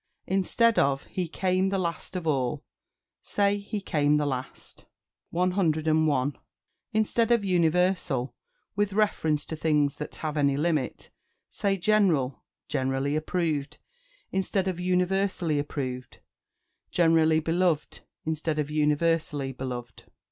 Instead of "He came the last of all," say "He came the last." 101. Instead of "universal," with reference to things that have any limit, say "general;" "generally approved," instead of "universally approved;" "generally beloved," instead of "universally beloved."